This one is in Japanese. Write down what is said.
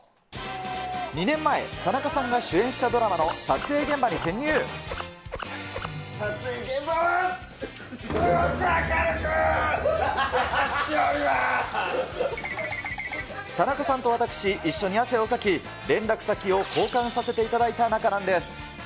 ２年前、田中さんが主演した撮影現場は、すごく明るくな田中さんと私、一緒に汗をかき、連絡先を交換させていただいた仲なんです。